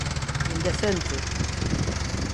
¡Indecente!